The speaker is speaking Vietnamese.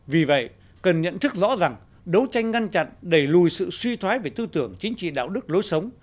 vì vậy cần nhận thức rõ rằng đấu tranh ngăn chặn đẩy lùi sự suy thoái về tư tưởng chính trị đạo đức lối sống